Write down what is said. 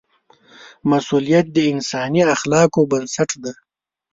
مسؤلیت د انساني اخلاقو بنسټ دی.